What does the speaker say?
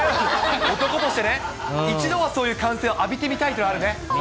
男としてね、一度はそういう歓声を浴びてみたいっていうのはあるね、サタボー。